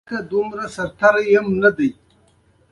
نجلۍ د احساس نغمه ده.